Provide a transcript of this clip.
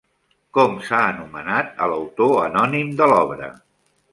Com s'ha anomenat a l'autor anònim de l'obra?